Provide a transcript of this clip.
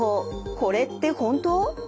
これって本当？